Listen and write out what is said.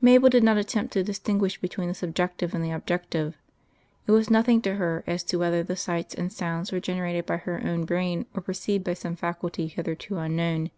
Mabel did not attempt to distinguish between the subjective and the objective. It was nothing to her as to whether the sights and sounds were generated by her own brain or perceived by some faculty hitherto unknown.